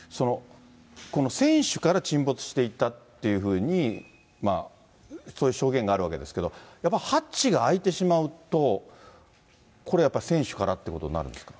この船首から沈没していったというふうに、そういう証言があるわけですけれども、やっぱりハッチが開いてしまうと、これやっぱり、船首からっていうことになるんですか？